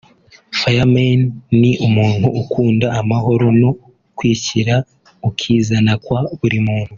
Fireman ni umuntu ukunda amahoro no kwishyira ukizana kwa buri muntu